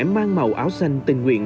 mang màu áo xanh tình nguyện